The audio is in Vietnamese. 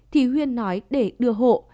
thì huyền nói để đưa hộ